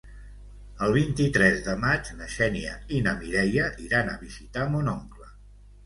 El vint-i-tres de maig na Xènia i na Mireia iran a visitar mon oncle.